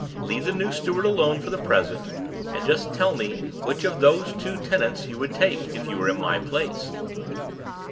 Leave the new steward alone for the present, and just tell me which of those two tenants you would take, if you were in my place."